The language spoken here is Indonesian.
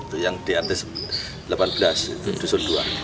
itu yang di atas delapan belas itu dusun dua